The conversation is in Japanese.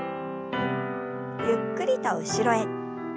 ゆっくりと後ろへ。